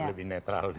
lebih netral ya